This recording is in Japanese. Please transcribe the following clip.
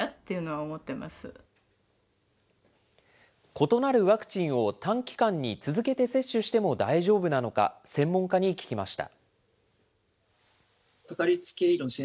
異なるワクチンを短期間に続けて接種しても大丈夫なのか、専門家に聞きました。